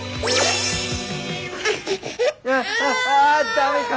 あダメか。